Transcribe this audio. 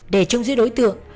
để trông giữ đối tượng